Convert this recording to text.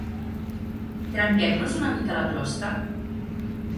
Trenquem-nos una mica la closca?